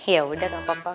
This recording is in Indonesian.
ya udah gak apa apa